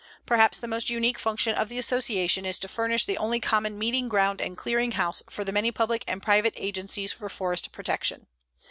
Perhaps the most unique function of the Association is to furnish the only common meeting ground and clearing house for the many public and private agencies for forest protection.